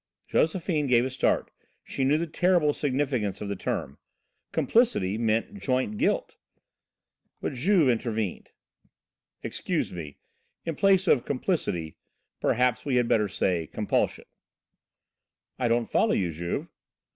Josephine gave a start she knew the terrible significance of the term. Complicity meant joint guilt. But Juve intervened: "Excuse me, in place of 'complicity' perhaps we had better say 'compulsion.'" "I don't follow you, Juve."